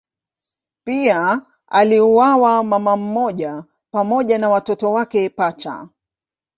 Pia aliuawa mama mmoja pamoja na watoto wake pacha.